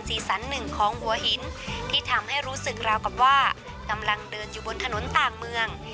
สันหนึ่งของหัวหินที่ทำให้รู้สึกราวกับว่ากำลังเดินอยู่บนถนนต่างเมือง